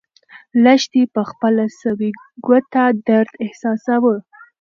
لښتې په خپله سوې ګوته درد احساساوه.